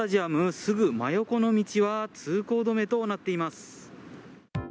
すぐ真横の道は、通行止めとなっています。